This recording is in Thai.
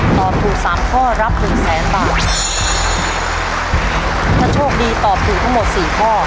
ตอบถูกสามข้อรับหนึ่งแสนบาทถ้าโชคดีตอบถูกทั้งหมดสี่ข้อ